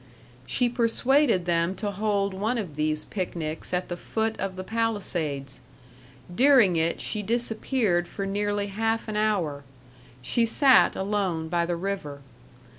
She persuaded them to hold one of these picnics at the foot of the Palisades. During it she disappeared for nearly half an hour. She sat alone by the river.